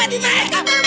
aduh ini tetap